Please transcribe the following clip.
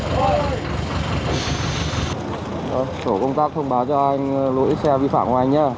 cảnh sát giao thông báo cho anh lỗi xe vi phạm của anh nhé